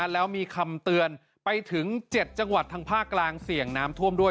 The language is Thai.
แล้วมีคำเตือนไปถึง๗จังหวัดทางภาคกลางเสี่ยงน้ำท่วมด้วย